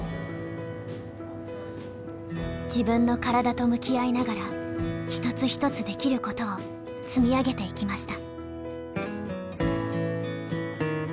自分の体と向き合いながら一つ一つできることを積み上げていきました。